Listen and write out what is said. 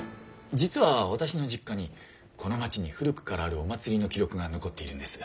実は私の実家にこの町に古くからあるお祭りの記録が残っているんです。